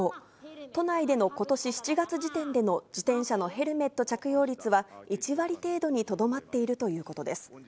都内でのことし７月時点での自転車のヘルメット着用率は、１割程度にとどまっているということです。